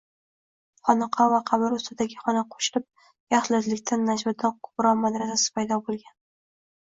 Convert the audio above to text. Xonaqo va qabr ustidagi xona qoʻshilib, yaxlitlikda Najmiddin Kubro maqbarasi paydo boʻlgan